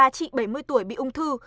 ba chị bảy mươi tuổi bị ung thư